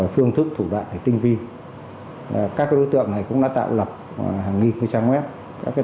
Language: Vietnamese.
phương thức thủ đoạn tinh vi các đối tượng này cũng đã tạo lập hàng nghìn trang web